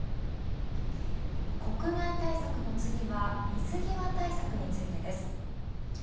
国内対策の次は水際対策についてです。